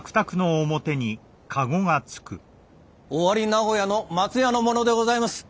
尾張名古屋の松屋の者でございます。